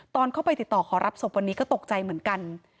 ตอนเข้าไปติดต่อขอรับศพวันนี้ก็ตกใจเหมือนกัน